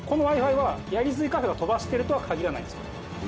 はやりすぎカフェが飛ばしているとはかぎらないんですよ。